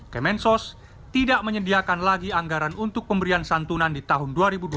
kemensos tidak menyediakan lagi anggaran untuk pemberian santunan di tahun dua ribu dua puluh